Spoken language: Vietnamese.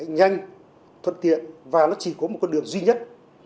nhanh thuận tiện và nó chỉ có một con đường duy nhất